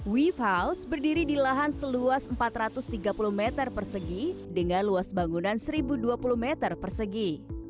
wave house berdiri di lahan seluas empat ratus tiga puluh meter persegi dengan luas bangunan seribu dua puluh meter persegi